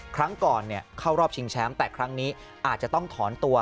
ครั้งก่อนเข้ารอบชิงแชมป์แต่ครั้งนี้อาจจะต้องถอนตัว